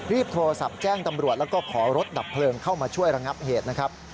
โทรศัพท์แจ้งตำรวจแล้วก็ขอรถดับเพลิงเข้ามาช่วยระงับเหตุนะครับ